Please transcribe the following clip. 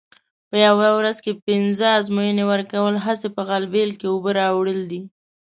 په یوه ورځ کې پینځه ازموینې ورکول هسې په غلبېل کې اوبه راوړل دي.